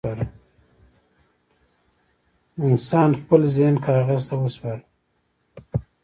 انسان خپل ذهن کاغذ ته وسپاره.